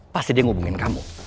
pasti dia ngubungin kamu